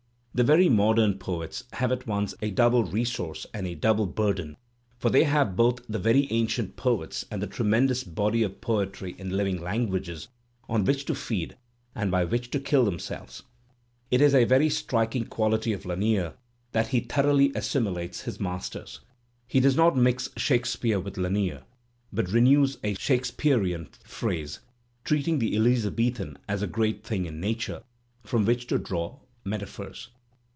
The very modem poets have at once a double resource and a double burden, for they have both the very ancient poets and the tremendous body of poetry in hving languages, on which to feed and by which to kill themselves. It is a very striking quaUty of Lanier that he thoroughly assimilates his masters. He does not mix Shakespeare with Lanier but renews a Shakespearian phrase, treating the Elizabethan as a great thing iQ nature from which to draw metaphors.